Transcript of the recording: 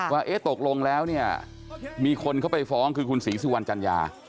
ว่าเอ๊ะตกลงแล้วมีคนเข้าไปฟ้องคือว่าคุณศรีสวรรค์จัญญา